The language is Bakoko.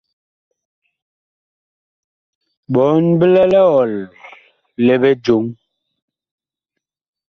Bɔɔn bi lɛ liɔl li bijoŋ.